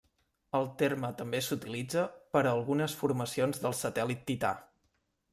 El terme també s'utilitza per a algunes formacions del satèl·lit Tità.